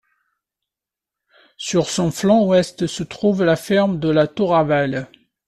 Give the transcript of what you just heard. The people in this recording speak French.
Sur son flanc ouest se trouve la ferme de la Touravelle.